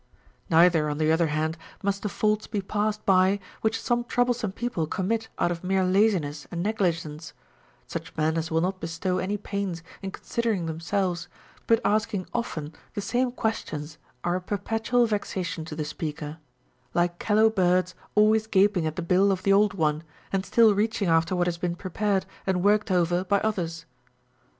Neither on the other hand must the faults be passed by which some troublesome people commit out of mere laziness and negligence ; such men as will not bestow any pains in considering themselves, but asking often the same questions are a perpetual vexation to the speaker ; like callow birds always gaping at the bill of the old one, and still reaching after what has been prepared and worked over by others.